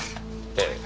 ええ。